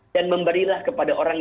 dan memberilah kepada orang